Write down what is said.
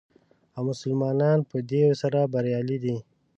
او مسلمانان په دې سره بریالي دي.